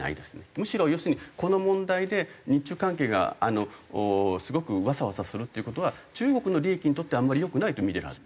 むしろ要するにこの問題で日中関係がすごくわさわさするっていう事は中国の利益にとってはあんまり良くないと見てるはず。